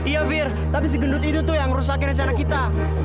iya fir tapi si gendut itu tuh yang ngerusakin rencana kita